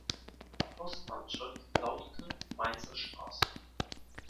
Die Postanschrift lautet: Mainzer Str.